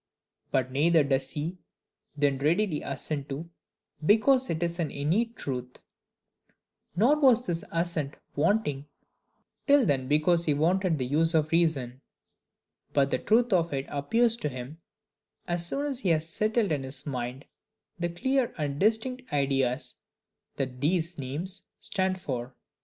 But neither does he then readily assent because it is an innate truth, nor was his assent wanting till then because he wanted the use of reason; but the truth of it appears to him as soon as he has settled in his mind the clear and distinct ideas that these names stand for.